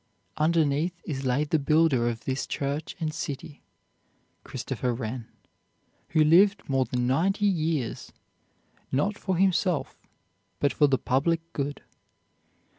"Underneath is laid the builder of this church and city, Christopher Wren, who lived more than ninety years, not for himself, but for the public good.